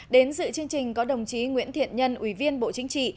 đến dự chương trình có đồng chí nguyễn thiện nhân ủy viên bộ chính trị